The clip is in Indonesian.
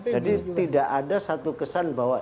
jadi tidak ada satu kesan bahwa